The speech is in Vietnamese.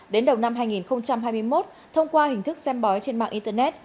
đến đầu năm hai nghìn hai mươi một thông qua hình thức xem bói trên mạng internet